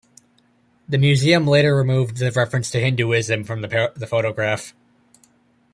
The museum later removed the reference to Hinduism from the photograph.